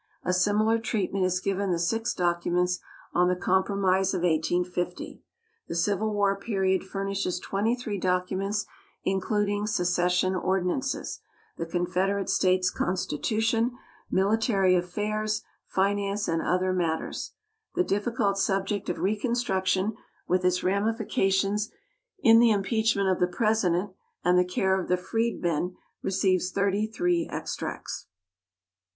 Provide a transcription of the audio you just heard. A similar treatment is given the six documents on the Compromise of 1850. The Civil War period furnishes twenty three documents including secession ordinances, the Confederate States Constitution, military affairs, finance, and other matters. The difficult subject of reconstruction, with its ramifications in the impeachment of the President and the care of the freedmen, receives thirty three extracts.